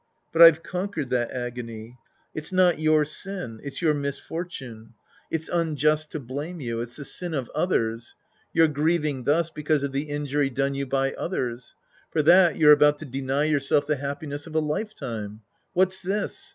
But I've conquered that agony. It's not your sin. It's your misfortune. It's unjust Sc. I The Priest and His Disciples 143 to blame you. It's the sin of others. You're griev ing thus because of the injury done you by others. For that, you're about to deny yourself the happiness of a lifetime. What's this